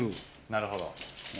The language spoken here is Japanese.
なるほど。